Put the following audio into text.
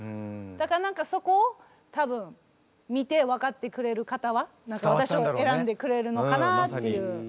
だから何かそこを多分見て分かってくれる方は私を選んでくれるのかなっていう。